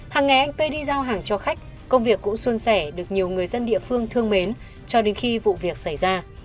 hàng ngày anh pê đi giao hàng cho khách công việc cũng xuân sẻ được nhiều người dân địa phương thương mến cho đến khi vụ việc xảy ra